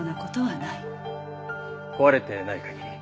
壊れてない限り。